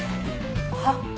はっ？